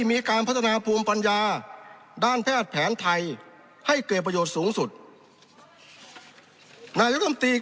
มีการพัฒนาภูมิปัญญาด้านแพทย์แผนไทยให้เกิดประโยชน์สูงสุดนายกรรมตรี